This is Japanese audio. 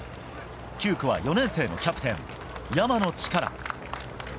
９区は４年生のキャプテン、山野力。